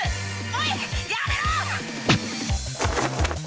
おいやめろ！